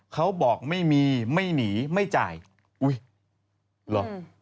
เขาบอกไม่มีไม่หนีไม่จ่ายอุ้ยเหรอ